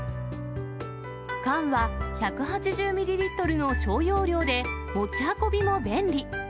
缶は１８０ミリリットルの小容量で、持ち運びも便利。